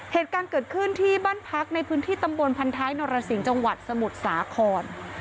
เหตุการณ์เกิดขึ้นที่บ้านพักในพื้นที่ตำบลพันท้ายนรสิงห์จังหวัดสมุทรสาคร